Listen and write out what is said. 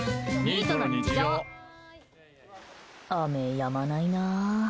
雨、やまないな。